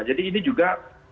jadi ini juga